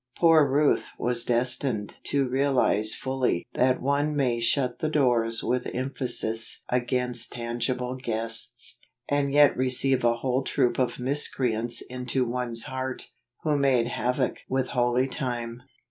Poor Ruth was destined to realize fully that one may shut the doors with emphasis against tangible guests, and yet receive a whole troop of miscreants into one's heart, who made havoc with holy time.